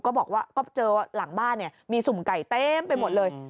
ก็บอกว่าก็เจอหลังบ้านเนี่ยมีสุ่มไก่เต็มไปหมดเลย